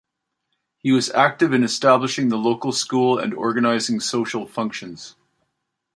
He was active in establishing the local school and organising social functions.